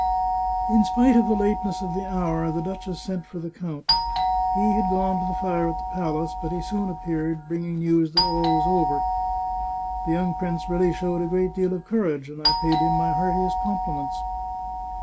In spite of the lateness of the hour, the duchess sent for the count. He had gone to the fire at the palace, but he soon appeared, bringing news that it was all over. " The young prince really showed a great deal of courage, and I paid him my heartiest compliments."